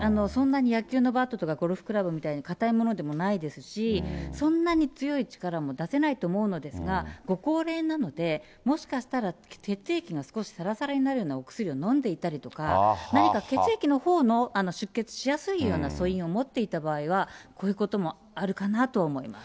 野球のバットとかゴルフクラブのような硬いものでもないですし、そんなに強い力も出せないと思うのですが、ご高齢なので、もしかしたら血液が少しサラサラになるようなお薬をのんでいたりとか、何か血液のほうの、出血しやすいような素因を持っていた場合は、こういうこともあるかなと思います。